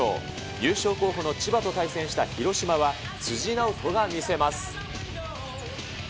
優勝候補の千葉と対戦した広島は、辻直人が見せます。